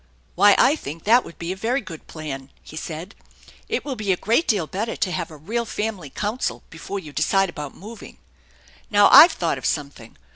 " Why, I think that would be a very good plan," he said. " It will be a great deal better to have a real family council before you decide about moving. Now I've thought of some thing.